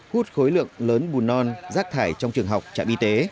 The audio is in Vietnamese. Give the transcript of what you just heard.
hút khối lượng lớn bùn non rác thải trong trường học trạm y tế